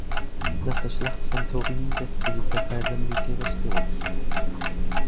Nach der Schlacht von Turin setzte sich der Kaiser militärisch durch.